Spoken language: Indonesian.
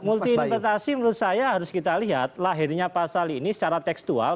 multi interpretasi menurut saya harus kita lihat lahirnya pasal ini secara tekstual